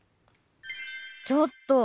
ちょっと！